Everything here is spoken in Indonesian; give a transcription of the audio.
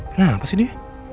kenapa sih dia